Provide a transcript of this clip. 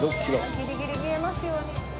ギリギリ見えますように。